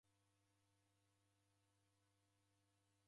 Neka nyumbenyi